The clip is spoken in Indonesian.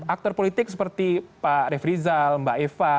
aktor politik seperti pak refri zal mbak eva